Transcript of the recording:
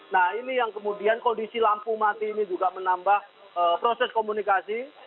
nah ini yang kemudian kondisi lampu mati ini juga menambah proses komunikasi